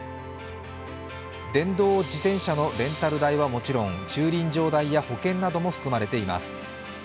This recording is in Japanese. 電動自転車のレンタル代はもちろん駐輪場代や保険なども含まれています。